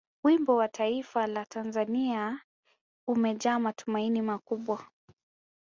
wimbo wa taifa la tanzania umejaa matumaini makubwa